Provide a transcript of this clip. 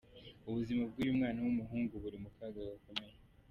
Ubuzima bw'uyu mwana w'umuhungu buri mu kaga gakomeye.